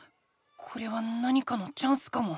これは何かのチャンスかも。